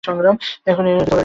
এখানে কাহিনী করবেন না তো।